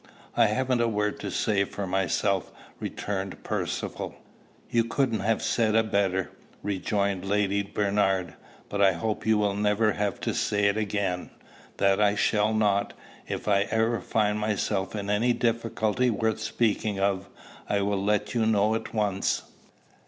"I haven't a word to say for myself," returned Percivale. "You couldn't have said a better," rejoined Lady Bernard; "but I hope you will never have to say it again." "That I shall not. If ever I find myself in any difficulty worth speaking of, I will let you know at once."